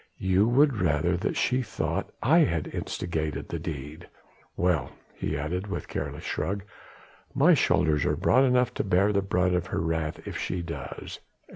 "You would rather that she thought I had instigated the deed. Well!" he added with a careless shrug, "my shoulders are broad enough to bear the brunt of her wrath if she does.